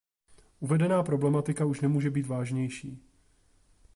Uvedená problematika už nemůže být vážnější.